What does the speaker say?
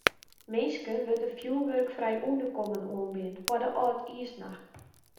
Minsken wurdt in fjoerwurkfrij ûnderkommen oanbean foar de âldjiersnacht.